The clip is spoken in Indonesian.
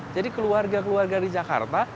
keluarga keluarga di jakarta